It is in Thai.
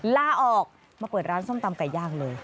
ล่าออกเบอร์ล้านส้มตำไก่ย่างเลย